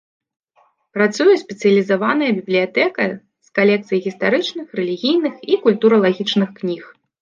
Працуе спецыялізаваная бібліятэка з калекцыяй гістарычных, рэлігійных і культуралагічных кніг.